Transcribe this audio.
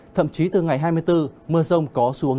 thậm chí từ ngày hai mươi bốn mưa rông có xuống